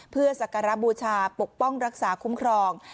เพื่อสักการะบูชาปกป้องรักษาคุ้มครอง